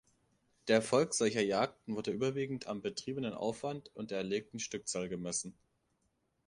Der „Erfolg“ solcher Jagden wurde überwiegend am betriebenen Aufwand und der erlegten Stückzahl gemessen.